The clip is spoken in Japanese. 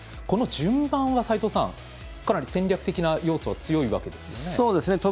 この順番は齋藤さん、かなり戦略的な要素、強いわけですよね。